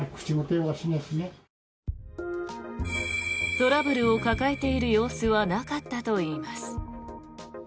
トラブルを抱えている様子はなかったといいます。